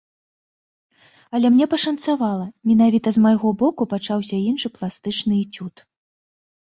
Але мне пашанцавала, менавіта з майго боку пачаўся іншы пластычны эцюд.